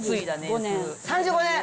３５年！